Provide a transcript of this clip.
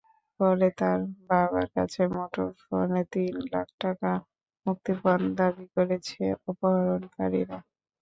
পরে তাঁর বাবার কাছে মুঠোফোনে তিন লাখ টাকা মুক্তিপণ দাবি করেছে অপহরণকারীরা।